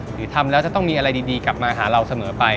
หรือทำแล้วจะต้องมีอะไรดีกลับมาหาเราเสมอไป